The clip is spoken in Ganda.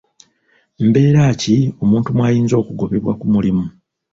Mbeera ki omuntu mw'ayinza okugobebwa ku mulimu?